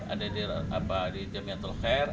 ada di jamiatul khair